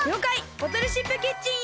ボトルシップキッチンヘ。